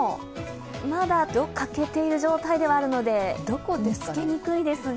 まだ欠けている状態ではあるので見つけにくいですが。